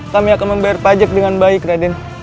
kami akan membayar pajak dengan baik raden